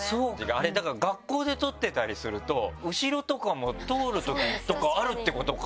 あれだから学校で撮ってたりすると後ろとかも通るときとかあるってことか！